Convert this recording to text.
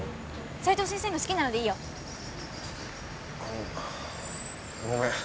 斉藤先生の好きなのでいいよごめん